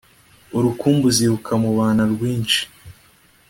urukumbuzi rukamubana rwinshi